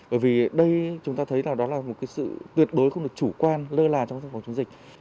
bởi vì đây chúng ta thấy là đó là một sự tuyệt đối không được chủ quan lơ là trong phòng chống dịch